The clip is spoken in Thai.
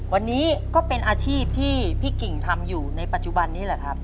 วันนี้ก็เป็นอาชีพที่พี่กิ่งทำอยู่ในปัจจุบันนี้แหละครับ